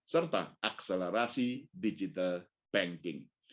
serta akselerasi digital banking